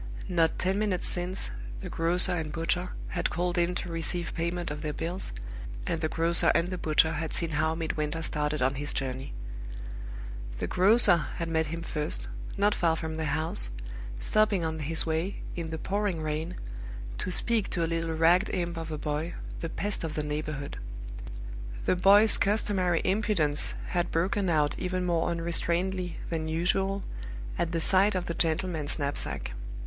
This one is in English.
Not ten minutes since, the grocer and butcher had called in to receive payment of their bills, and the grocer and the butcher had seen how Midwinter started on his journey. The grocer had met him first, not far from the house, stopping on his way, in the pouring rain, to speak to a little ragged imp of a boy, the pest of the neighborhood. The boy's customary impudence had broken out even more unrestrainedly than usual at the sight of the gentleman's knapsack.